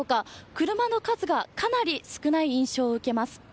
車の数がかなり少ない印象を受けます。